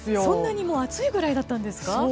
そんなに暑いくらいだったんですか？